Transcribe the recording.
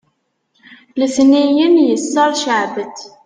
letniyen yesser ceɛbet